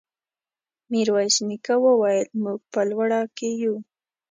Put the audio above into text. ميرويس نيکه وويل: موږ په لوړه کې يو.